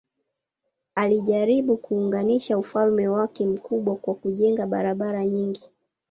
Alijaribu kuunganisha ufalme wake mkubwa kwa kujenga barabara nyingi.